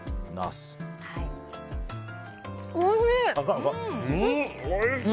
おいしいー！